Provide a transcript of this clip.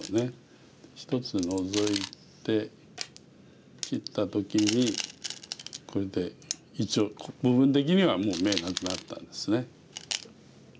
１つノゾいて切った時にこれで一応部分的には眼なくなったんですね。